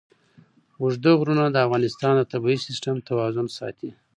اوږده غرونه د افغانستان د طبعي سیسټم توازن ساتي.